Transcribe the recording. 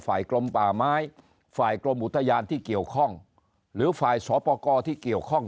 กรมป่าไม้ฝ่ายกรมอุทยานที่เกี่ยวข้องหรือฝ่ายสปกรที่เกี่ยวข้อง